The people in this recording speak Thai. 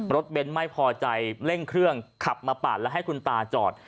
เบ้นไม่พอใจเร่งเครื่องขับมาปาดแล้วให้คุณตาจอด